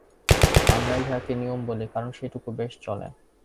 আমরা ইহাকে নিয়ম বলি, কারণ সেটুকু বেশ চলে।